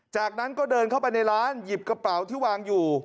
จากนั้นก็เดินเข้าไปในร้านหยิบกระเป๋าที่วางอยู่